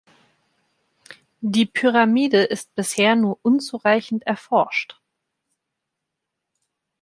Die Pyramide ist bisher nur unzureichend erforscht.